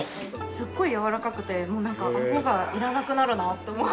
すごいやわらかくてもうなんかあごがいらなくなるなと思うぐらい